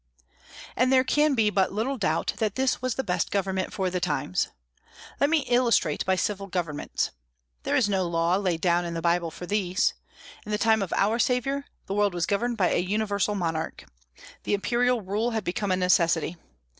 And there can be but little doubt that this was the best government for the times. Let me illustrate by civil governments. There is no law laid down in the Bible for these. In the time of our Saviour the world was governed by a universal monarch. The imperial rule had become a necessity.